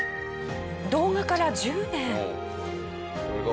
動画から１０年。